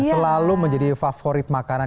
selalu menjadi favorit makanan